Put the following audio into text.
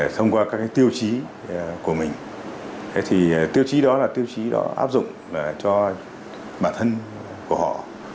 thông qua các tiêu chí của mình thì tiêu chí đó là tiêu chí đó áp dụng cho bản thân của họ